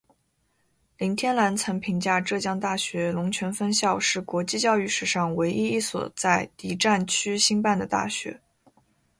林天兰曾评价浙江大学龙泉分校是国际教育史上唯一一所在敌战区兴办的大学。